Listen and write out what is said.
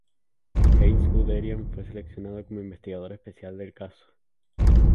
Heinz Guderian fue seleccionado como investigador especial del caso.